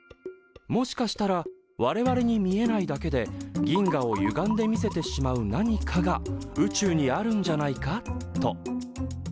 「もしかしたら我々に見えないだけで銀河をゆがんで見せてしまう何かが宇宙にあるんじゃないか？」と。